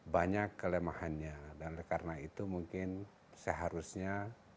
banyak kelemahannya dan karena itu mungkin seharusnya